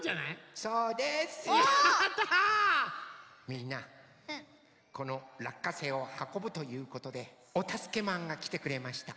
みんなこのらっかせいをはこぶということでおたすけマンがきてくれました。